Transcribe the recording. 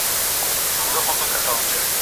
هغه د شنې ویالې پر څنډه شنه ولاړه ونه